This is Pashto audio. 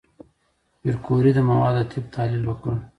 پېیر کوري د موادو د طیف تحلیل وکړ.